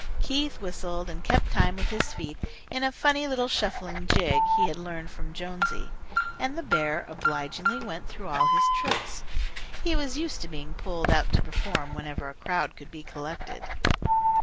Keith whistled and kept time with his feet in a funny little shuffling jig he had learned from Jonesy, and the bear obligingly went through all his tricks. He was used to being pulled out to perform whenever a crowd could be collected.